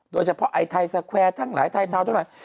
โดยเฉพาะไทยสแควร์ทั้งหลายไทยเทาทั้งหลาย